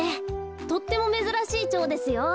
とってもめずらしいチョウですよ。